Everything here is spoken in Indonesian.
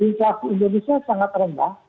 insafi indonesia sangat rendah